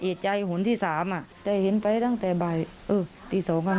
เอกใจหนที่สามอ่ะแต่เห็นไปตั้งแต่บ่ายเออตีสองอ่ะ